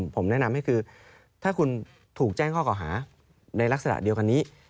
ผมแนะนำให้คือถ้าคุณถูกแจ้งข้อเก่าหาในลักษณะเดียวกันนี้